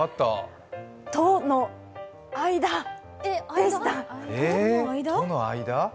戸の間でした。